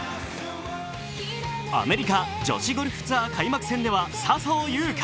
アメリカ女子ゴルフツアー開幕戦では笹生優花。